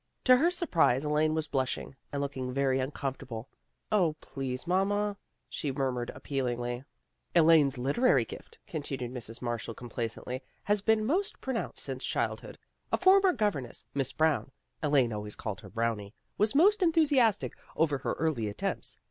To her surprise Elaine was blushing, and looking very uncom fortable. " 0, please, mamma," she murmured appealingly. " Elaine's literary gift," continued Mrs. Marshall complacently, " has been most pro nounced since her childhood. A former govern ess, Miss Brown Elaine always called her Brownie was most enthusiastic over her early attempts.